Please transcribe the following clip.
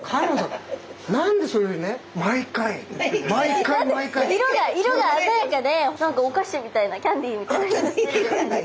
だって色が色が鮮やかで何かおかしみたいなキャンディーみたいな。